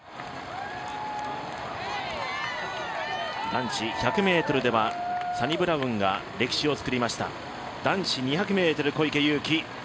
男子１００ｍではサニブラウンが歴史を作りました、男子２００ｍ小池祐貴